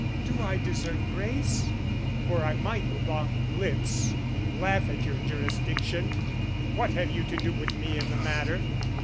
Do I deserve grace? For I might lock lips, Laugh at your jurisdiction: what have you To do with me in the matter?